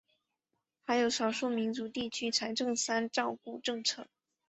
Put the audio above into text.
还有少数民族地区财政三照顾政策。